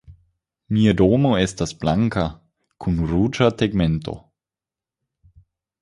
Mia domo estas blanka kun ruĝa tegmento.